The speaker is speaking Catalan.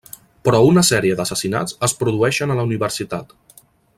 Però una sèrie d'assassinats es produeixen a la universitat.